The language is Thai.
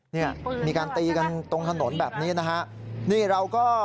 เนี่ยมีการตี้กันตรงถนนแบบนี้นะฮะ